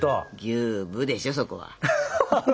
「ギューーぶ」でしょそこは！